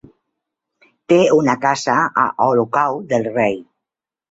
Té una casa a Olocau del Rei.